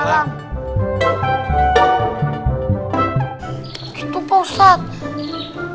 gitu pak ustad